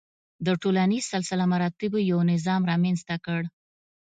د ټولنیز سلسله مراتبو یو نظام رامنځته کړ.